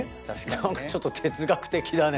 何かちょっと哲学的だね。